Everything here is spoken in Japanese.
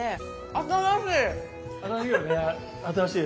新しい！